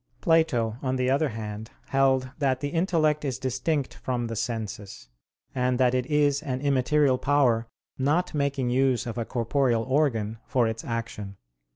Plato, on the other hand, held that the intellect is distinct from the senses: and that it is an immaterial power not making use of a corporeal organ for its action.